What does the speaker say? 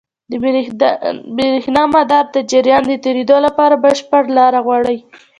د برېښنا مدار د جریان د تېرېدو لپاره بشپړ لاره غواړي.